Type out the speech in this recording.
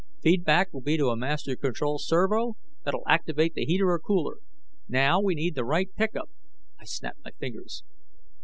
Feedback will be to a master control servo that'll activate the heater or cooler. Now, we need the right pickup " I snapped my fingers.